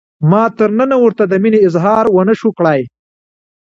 ما تر ننه ورته د مینې اظهار ونشو کړای.